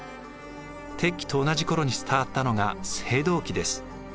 鉄器と同じ頃に伝わったのが青銅器です。